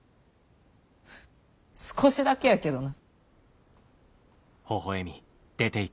少しだけやけどな。